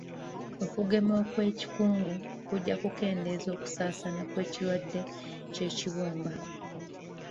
Okugema okw'ekikungo kujja kukendeeza okusaasaana kw'ekirwadde ky'ekibumba.